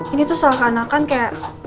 ini tuh salah karena kan kayak